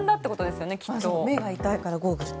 目が痛いからゴーグル。